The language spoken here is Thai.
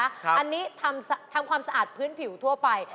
อันนี้ทำความสะอาดพื้นผิวทั่วไป